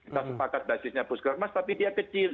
kita sepakat basisnya puskesmas tapi dia kecil